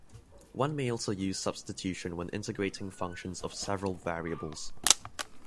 One may also use substitution when integrating functions of several variables.